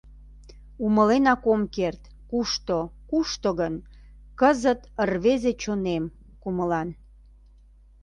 Умыленак ом керт, кушто, кушто гын Кызыт рвезе чонем, кумылан?